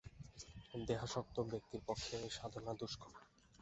দেহাসক্ত ব্যক্তির পক্ষে এই সাধনা দুষ্কর।